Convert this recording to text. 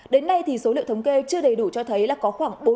đến nay thì số liệu thống kê chưa đầy đủ cho thấy là có khoảng bốn mươi